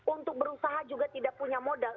untuk berusaha juga tidak punya modal